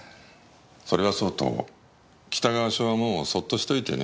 それはそうと北川署はもうそっとしといてね。